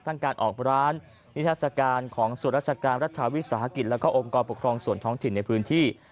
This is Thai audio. การออกร้านนิทัศกาลของส่วนราชการรัฐวิสาหกิจแล้วก็องค์กรปกครองส่วนท้องถิ่นในพื้นที่